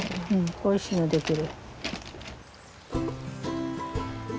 おいしいの出来る。